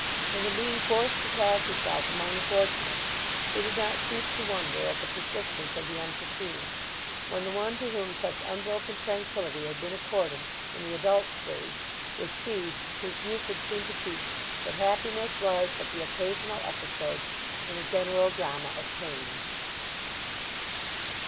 And in being forced to class herself among the fortunate she did not cease to wonder at the persistence of the unforeseen, when the one to whom such unbroken tranquility had been accorded in the adult stage was she whose youth had seemed to teach that happiness was but the occasional episode in a general drama of pain.